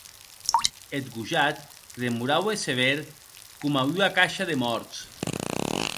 Eth gojat que demoraue sevèr coma ua caisha de mòrts.